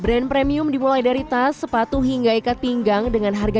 brand premium dimulai dari tas sepatu hingga ikat pinggang dengan harga